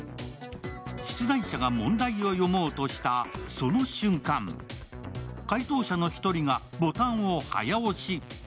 出題者が問題を読もうとしたその瞬間解答者の１人がボタンを早押し。